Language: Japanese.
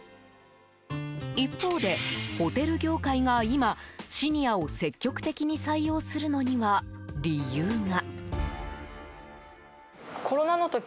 一方で、ホテル業界が今シニアを積極的に採用するのには理由が。